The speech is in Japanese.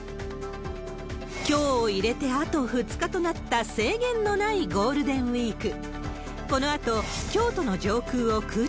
きょうを入れてあと２日となった制限のないゴールデンウィーク。